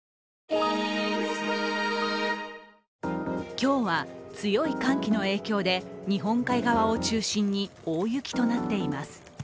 今日は強い寒気の影響で日本海側を中心に大雪となっています。